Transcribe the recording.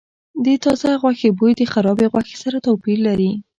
د تازه غوښې بوی د خرابې غوښې سره توپیر لري.